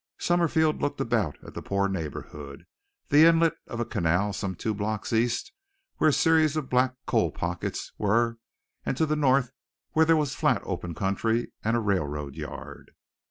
Summerfield looked about at the poor neighborhood, the inlet of a canal some two blocks east where a series of black coal pockets were and to the north where there was flat open country and a railroad yard.